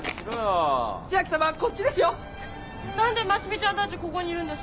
何で真澄ちゃんたちここにいるんですか？